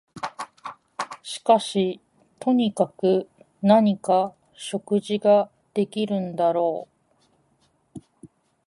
しかしとにかく何か食事ができるんだろう